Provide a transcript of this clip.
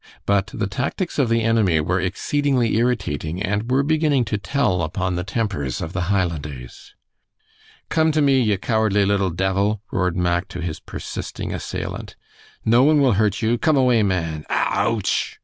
But the tactics of the enemy were exceedingly irritating, and were beginning to tell upon the tempers of the Highlanders. "Come to me, ye cowardly little devil," roared Mack to his persisting assailant. "No one will hurt you! Come away, man! A a ah ouch!"